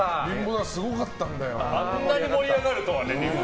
あんなに盛り上がるとはね。